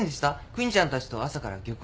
クニちゃんたちと朝から漁港に。